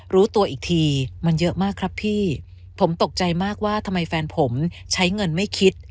รู้ตัวอีกทีมันเยอะมากครับพี่ผมตกใจมากว่าทำไมแฟนผมใช้เงินไม่คิด